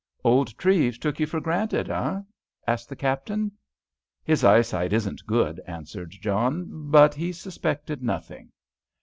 "Old Treves took you for granted, eh?" asked the Captain. "His eyesight isn't good," answered John, "but he suspected nothing."